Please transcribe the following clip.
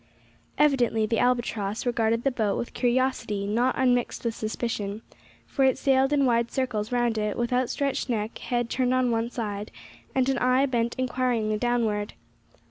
Evidently the albatross regarded the boat with curiosity not unmixed with suspicion, for it sailed in wide circles round it, with outstretched neck, head turned on one side, and an eye bent inquiringly downward.